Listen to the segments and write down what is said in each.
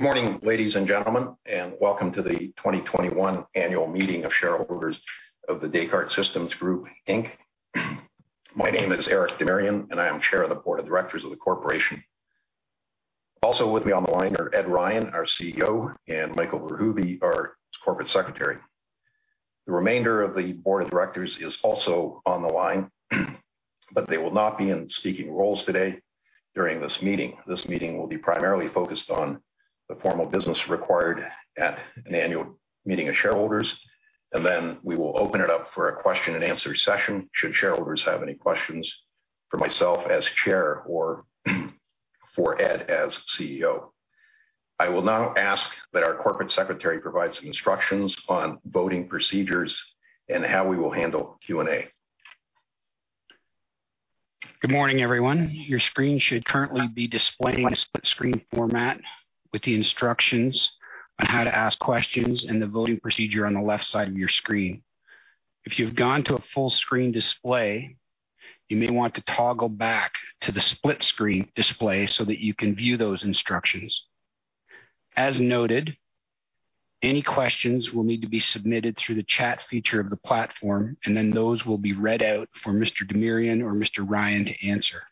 Morning, ladies and gentlemen, and welcome to the 2021 Annual Meeting of Shareholders of The Descartes Systems Group Inc. My name is Eric Demirian, and I am Chair of the Board of Directors of the corporation. Also with me on the line are Ed Ryan, our CEO, and Michael Verhoeve, our Corporate Secretary. The remainder of the Board of Directors is also on the line, but they will not be in speaking roles today during this meeting. This meeting will be primarily focused on the formal business required at an Annual Meeting of Shareholders, and then we will open it up for a question-and-answer session should shareholders have any questions for myself as Chair or for Ed as CEO. I will now ask that our Corporate Secretary provide some instructions on voting procedures and how we will handle Q&A. Good morning, everyone. Your screen should currently be displaying a split screen format with the instructions on how to ask questions and the voting procedure on the left side of your screen. If you've gone to a full screen display, you may want to toggle back to the split screen display so that you can view those instructions. As noted, any questions will need to be submitted through the chat feature of the platform, and then those will be read out for Mr. Demirian or Mr. Ryan to answer.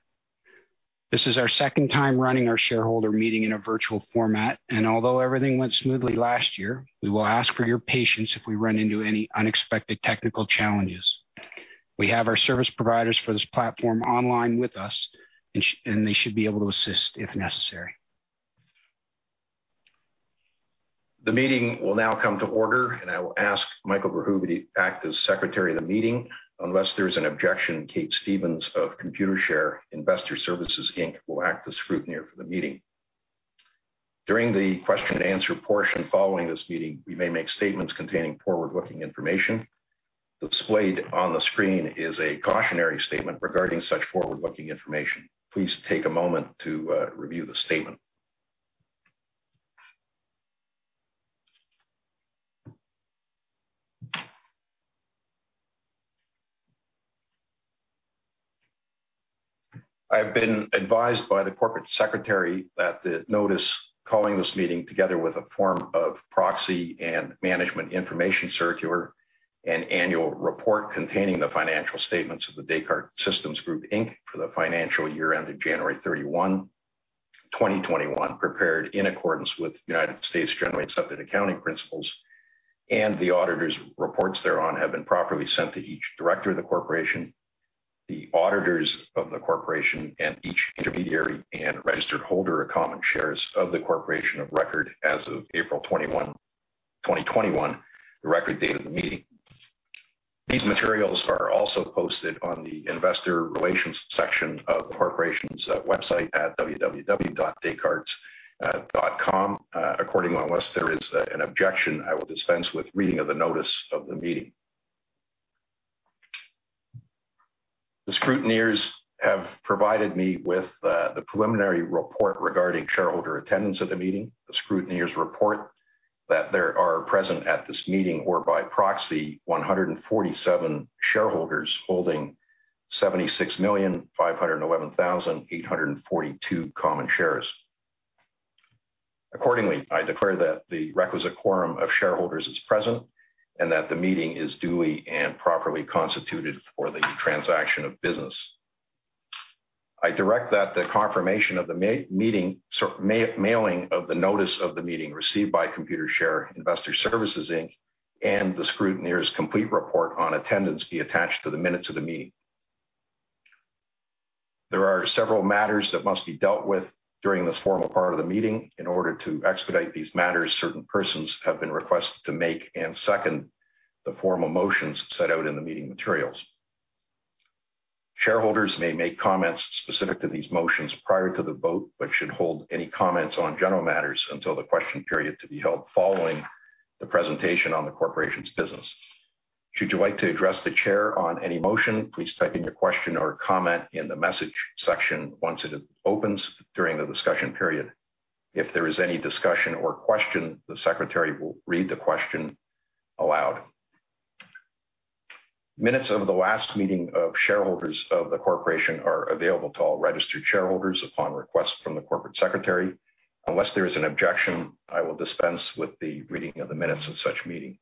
This is our second time running a shareholder meeting in a virtual format, and although everything went smoothly last year, we will ask for your patience if we run into any unexpected technical challenges. We have our service providers for this platform online with us, and they should be able to assist if necessary. The meeting will now come to order, and I will ask Michael Verhoeve to act as Secretary of the meeting. Unless there is an objection, Kate Stevens of Computershare Investor Services Inc will act as Scrutineer for the meeting. During the question-and-answer portion following this meeting, we may make statements containing forward-looking information. Displayed on the screen is a cautionary statement regarding such forward-looking information. Please take a moment to review the statement. I have been advised by the Corporate Secretary that the notice calling this meeting together with a form of proxy and management information circular, and annual report containing the financial statements of The Descartes Systems Group Inc for the financial year ended January 31, 2021, prepared in accordance with United States Generally Accepted Accounting Principles, and the auditor's reports thereon have been properly sent to each director of the corporation, the auditors of the corporation, and each intermediary and registered holder of common shares of the corporation of record as of April 21, 2021, the record date of the meeting. These materials are also posted on the investor relations section of the corporation's website at www.descartes.com. Accordingly, unless there is an objection, I will dispense with reading of the notice of the meeting. The scrutineers have provided me with the preliminary report regarding shareholder attendance at the meeting. The scrutineers report that there are present at this meeting or by proxy 147 shareholders holding 76,511,842 common shares. Accordingly, I declare that the requisite quorum of shareholders is present and that the meeting is duly and properly constituted for the transaction of business. I direct that the confirmation of the mailing of the notice of the meeting received by Computershare Investor Services Inc and the scrutineer's complete report on attendance be attached to the minutes of the meeting. There are several matters that must be dealt with during this formal part of the meeting. In order to expedite these matters, certain persons have been requested to make and second the formal motions set out in the meeting materials. Shareholders may make comments specific to these motions prior to the vote but should hold any comments on general matters until the question period to be held following the presentation on the corporation's business. Should you like to address the chair on any motion, please type in your question or comment in the message section once it opens during the discussion period. If there is any discussion or question, the secretary will read the question aloud. Minutes of the last meeting of shareholders of the corporation are available to all registered shareholders upon request from the Corporate Secretary. Unless there is an objection, I will dispense with the reading of the minutes of such meeting.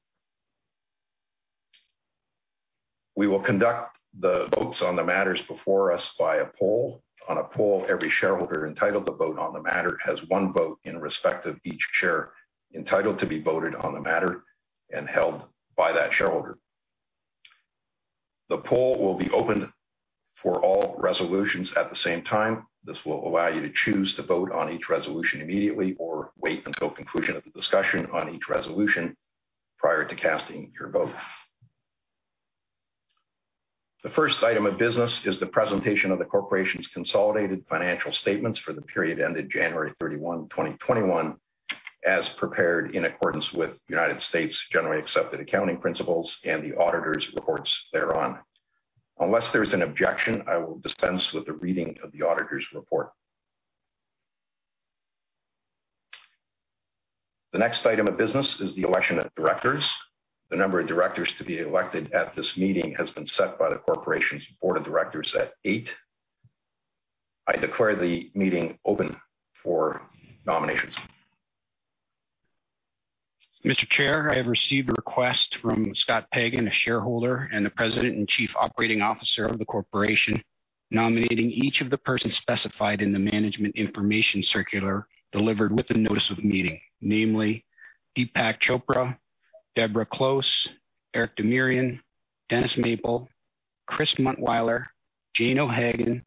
We will conduct the votes on the matters before us by a poll. On a poll, every shareholder entitled to vote on the matter has one vote in respect of each share entitled to be voted on the matter and held by that shareholder. The poll will be opened for all resolutions at the same time. This will allow you to choose to vote on each resolution immediately or wait until conclusion of the discussion on each resolution prior to casting your vote. The first item of business is the presentation of the corporation's consolidated financial statements for the period ended January 31, 2021, as prepared in accordance with United States Generally Accepted Accounting Principles and the auditor's reports thereon. Unless there is an objection, I will dispense with the reading of the auditor's report. The next item of business is the election of directors. The number of directors to be elected at this meeting has been set by the corporation's Board of Directors at eight. I declare the meeting open for nominations. Mr. Chair, I have received a request from Scott Pagan, a shareholder, and the President and Chief Operating Officer of the corporation, nominating each of the persons specified in the management information circular delivered with the notice of the meeting. Namely, Deepak Chopra, Deborah Close, Eric Demirian, Dennis Maple, Chris Muntwyler, Jane O'Hagan,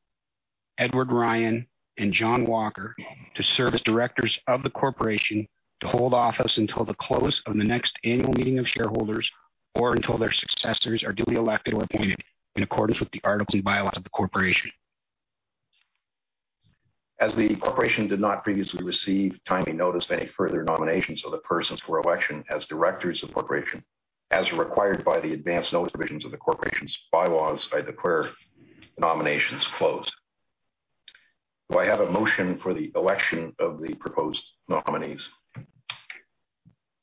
Edward Ryan, and John Walker to serve as directors of the corporation to hold office until the close of the next Annual Meeting of Shareholders, or until their successors are duly elected or appointed in accordance with the articles and bylaws of the corporation. As the corporation did not previously receive timely notice of any further nominations of the persons for election as directors of the corporation, as required by the advance notice provisions of the corporation's bylaws, I declare the nominations closed. Do I have a motion for the election of the proposed nominees?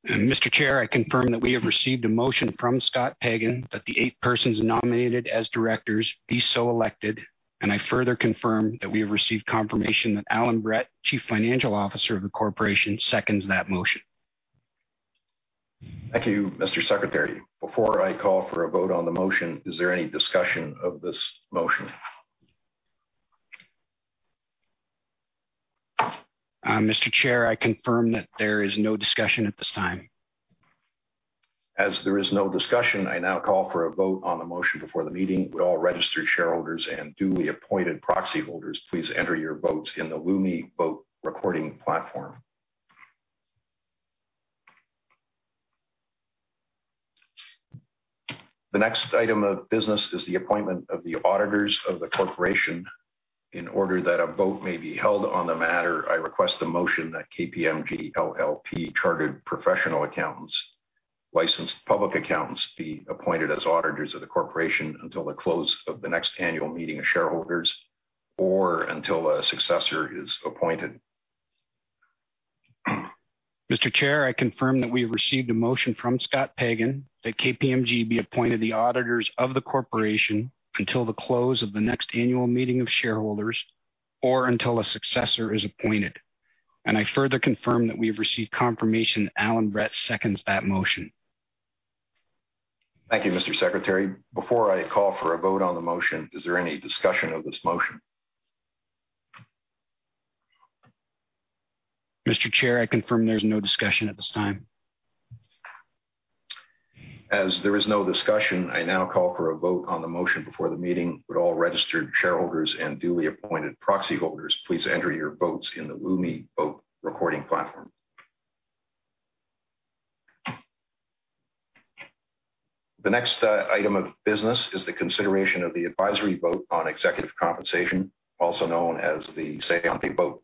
Mr. Chair, I confirm that we have received a motion from Scott Pagan that the eight persons nominated as directors be so elected, and I further confirm that we have received confirmation that Allan Brett, Chief Financial Officer of the corporation, seconds that motion. Thank you, Mr. Secretary. Before I call for a vote on the motion, is there any discussion of this motion? Mr. Chair, I confirm that there is no discussion at this time. As there is no discussion, I now call for a vote on the motion before the meeting. Would all registered shareholders and duly appointed proxy holders please enter your votes in the Lumi Vote Recording Platform. The next item of business is the appointment of the auditors of the corporation. In order that a vote may be held on the matter, I request a motion that KPMG LLP, Chartered Professional Accountants, Licensed Public Accountants, be appointed as auditors of the corporation until the close of the next Annual Meeting of Shareholders, or until a successor is appointed. Mr. Chair, I confirm that we have received a motion from Scott Pagan that KPMG be appointed the auditors of the corporation until the close of the next Annual Meeting of Shareholders, or until a successor is appointed. I further confirm that we have received confirmation that Allan Brett seconds that motion. Thank you, Mr. Secretary. Before I call for a vote on the motion, is there any discussion of this motion? Mr. Chair, I confirm there's no discussion at this time. As there is no discussion, I now call for a vote on the motion before the meeting. Would all registered shareholders and duly appointed proxy holders please enter your votes in the Lumi Vote Recording Platform. The next item of business is the consideration of the advisory vote on executive compensation, also known as the Say-on-Pay vote.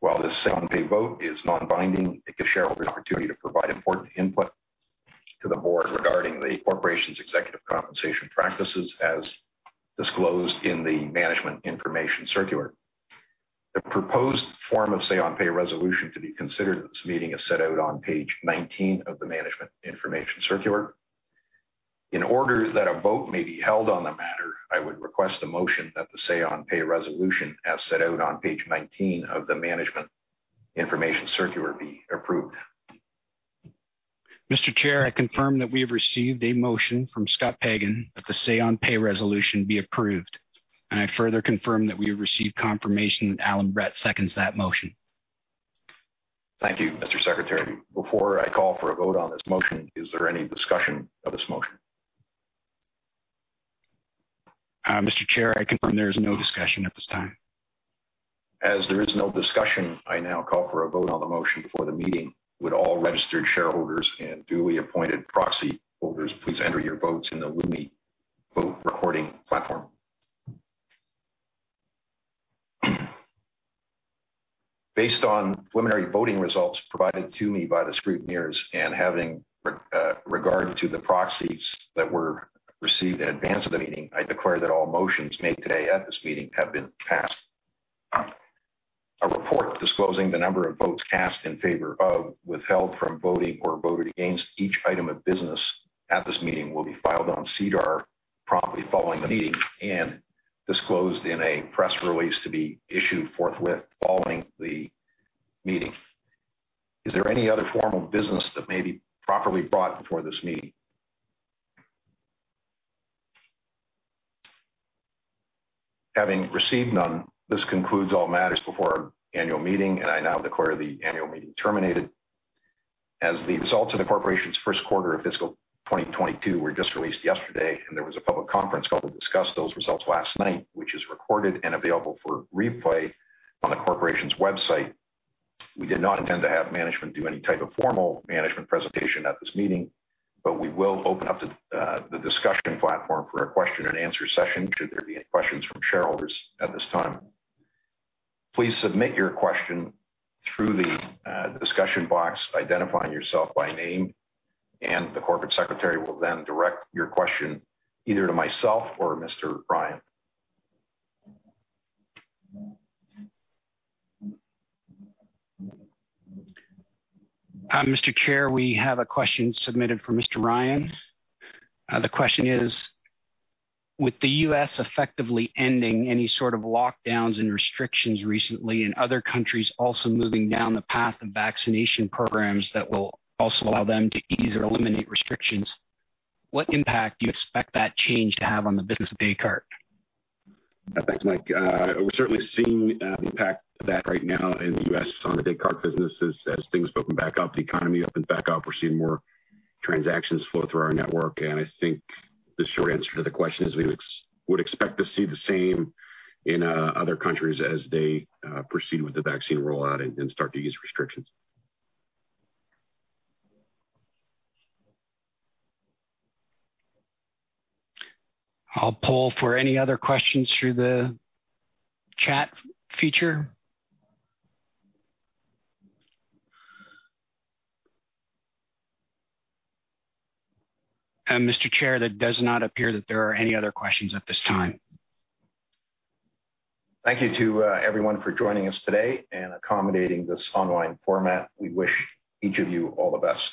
While this Say-on-Pay vote is non-binding, it gives shareholders the opportunity to provide important input to the board regarding the corporation's executive compensation practices as disclosed in the management information circular. The proposed form of Say-on-Pay resolution to be considered at this meeting is set out on page 19 of the management information circular. In order that a vote may be held on the matter, I would request a motion that the Say-on-Pay resolution, as set out on page 19 of the management information circular, be approved. Mr. Chair, I confirm that we have received a motion from Scott Pagan that the Say-on-Pay resolution be approved, and I further confirm that we have received confirmation that Allan Brett seconds that motion. Thank you, Mr. Secretary. Before I call for a vote on this motion, is there any discussion of this motion? Mr. Chair, I confirm there is no discussion at this time. As there is no discussion, I now call for a vote on the motion before the meeting. Would all registered shareholders and duly appointed proxy holders please enter your votes in the Lumi Vote Recording Platform. Based on preliminary voting results provided to me by the scrutineers and having regard to the proxies that were received in advance of the meeting, I declare that all motions made today at this meeting have been passed. A report disclosing the number of votes cast in favor of, withheld from voting, or voted against each item of business at this meeting will be filed on SEDAR promptly following the meeting and disclosed in a press release to be issued forthwith following the meeting. Is there any other form of business that may be properly brought before this meeting? Having received none, this concludes all matters before our Annual Meeting, and I now declare the Annual Meeting terminated. As the results of the corporation's first quarter of fiscal 2022 were just released yesterday, and there was a public conference call to discuss those results last night, which is recorded and available for replay on the corporation's website, we did not intend to have management do any type of formal management presentation at this meeting, but we will open up the discussion platform for a question-and-answer session should there be any questions from shareholders at this time. Please submit your question through the discussion box, identifying yourself by name, and the Corporate Secretary will then direct your question either to myself or Mr. Ryan. Mr. Chair, we have a question submitted for Mr. Ryan. The question is, with the U.S. effectively ending any sort of lockdowns and restrictions recently and other countries also moving down the path of vaccination programs that will also allow them to ease or eliminate restrictions, what impact do you expect that change to have on the business of Descartes? Thanks, Mike. We're certainly seeing the impact of that right now in the U.S. side of the Descartes businesses. As things open back up, the economy opens back up, we're seeing more transactions flow through our network. I think the short answer to the question is we would expect to see the same in other countries as they proceed with the vaccine rollout and start to ease restrictions. I'll poll for any other questions through the chat feature. Mr. Chair, it does not appear that there are any other questions at this time. Thank you to everyone for joining us today and accommodating this online format. We wish each of you all the best.